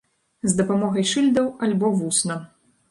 З дапамогай шыльдаў, альбо вусна.